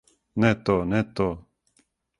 Не то, не то!